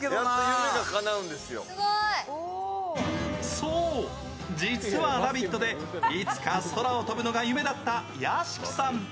そう、実は「ラヴィット！」でいつか空を飛ぶのが夢だった屋敷さん。